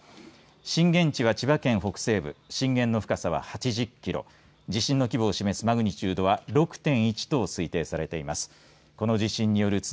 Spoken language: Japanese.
震源地は千葉県北西部震源の深さは８０キロ地震の規模を示すマグニチュードは６．１と推定されています。